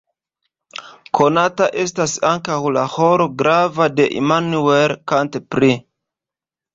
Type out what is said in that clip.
Konata estas ankaŭ la rolo grava de Immanuel Kant prie.